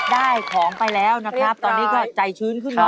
ได้ของไปแล้วนะครับตอนนี้ก็ใจชึ้นเลยนะครับ